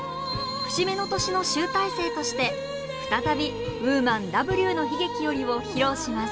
節目の年の集大成として再び「Ｗｏｍａｎ“Ｗの悲劇”より」を披露します。